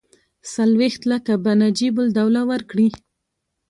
څلوېښت لکه به نجیب الدوله ورکړي.